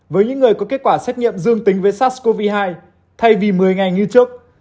với những người có kết quả xét nghiệm dương tính với sars cov hai thay vì một mươi ngày như trước